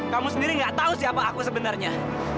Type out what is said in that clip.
kamu sendiri gak tau siapa aku sebenarnya